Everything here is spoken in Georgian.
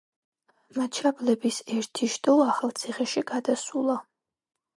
მაჩაბლების ერთი შტო ახალციხეში გადასულა.